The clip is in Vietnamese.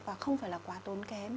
và không phải là quá tốn kém